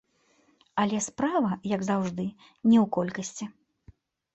Але справа, як заўжды, не ў колькасці.